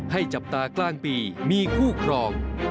จับตากลางปีมีคู่ครอง